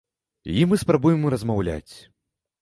І мы спрабуем размаўляць.